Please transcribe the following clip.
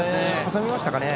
挟みましたかね。